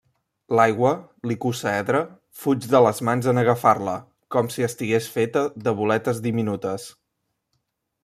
L'aigua, l’icosaedre, fuig de les mans en agafar-la, com si estigués feta de boletes diminutes.